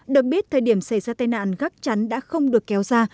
được biết thời điểm xảy ra tai nạn gắt chắn đã không được kéo ra